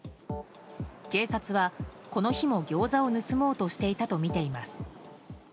警察は、この日もギョーザを盗もうとしていたとみています。